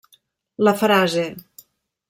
La frase.